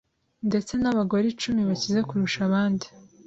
ndetse n’abagore icumi bakize kurusha abandi